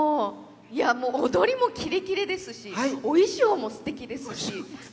もう踊りもキレキレですしお衣装もすてきです。